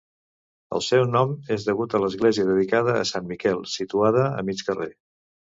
El seu nom és degut a l'església dedicada a Sant Miquel, situada a mig carrer.